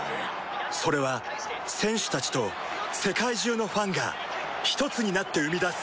それは選手たちと世界中のファンがひとつになって生み出す